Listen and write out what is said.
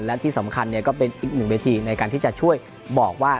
และที่สำคัญก็เป็นอีกหนึ่งเวทีในการที่จะช่วยบอกว่า